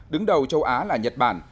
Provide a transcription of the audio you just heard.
đứng đầu châu á là nhật bản